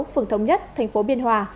phường thống nhất thành phố biên hòa